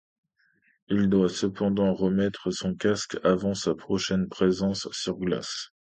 Il doit cependant remettre son casque avant sa prochaine présence sur glace.